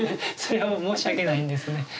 それは申し訳ないんですね。